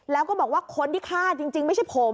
แล้วก็บอกว่าคนที่ฆ่าจริงไม่ใช่ผม